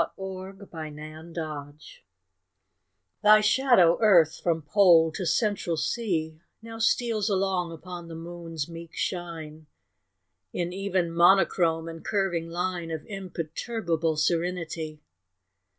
AT A LUNAR ECLIPSE THY shadow, Earth, from Pole to Central Sea, Now steals along upon the Moon's meek shine In even monochrome and curving line Of imperturbable serenity.